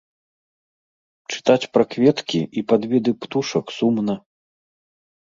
Чытаць пра кветкі і падвіды птушак сумна.